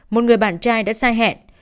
một người bạn trai đã sai hẹn